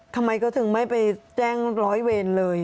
ทำไมก็ถึงไม่ไปแจ้งร้อยเวรเลย